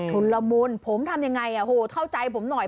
ละมุนผมทำยังไงเข้าใจผมหน่อย